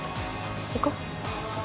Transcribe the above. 行こう。